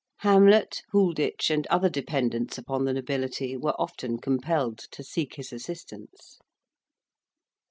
Hamlet, Houlditch, and other dependants upon the nobility, were often compelled to seek his assistance.